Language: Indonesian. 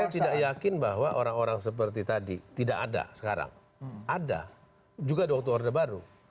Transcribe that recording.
saya tidak yakin bahwa orang orang seperti tadi tidak ada sekarang ada juga waktu orde baru